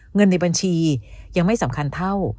เงินในบัญชียังไม่สำคัญเท่า